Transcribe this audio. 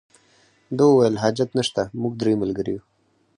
ده وویل حاجت نشته موږ درې ملګري یو.